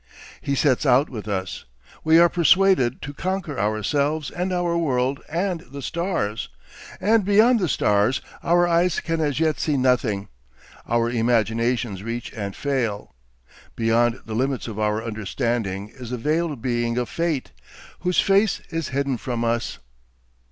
He sets out with us, we are persuaded, to conquer ourselves and our world and the stars. And beyond the stars our eyes can as yet see nothing, our imaginations reach and fail. Beyond the limits of our understanding is the veiled Being of Fate, whose face is hidden from us.